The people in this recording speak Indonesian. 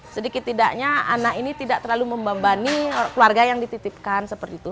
sedikit tidaknya anak ini tidak terlalu membambani keluarga yang dititipkan seperti itu